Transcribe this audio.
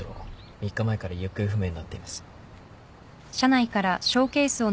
３日前から行方不明になっています。